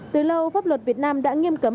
từ lâu pháp luật việt nam đã nghiêm cấm